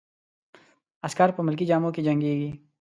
عسکر په ملکي جامو کې جنګیږي.